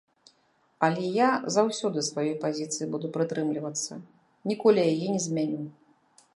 Але я заўсёды сваёй пазіцыі буду прытрымлівацца, ніколі яе не змяню.